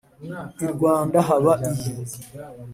I Rwanda haba iyi